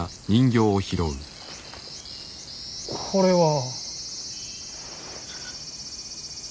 これは。